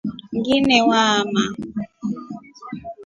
Ngine waama.